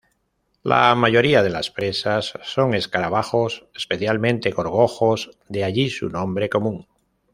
La mayoría de las presas son escarabajos especialmente gorgojos, de allí su nombre común.